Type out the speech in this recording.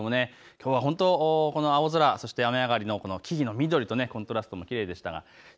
きょうは青空、雨上がりの木々の緑とコントラスト、きれいでした。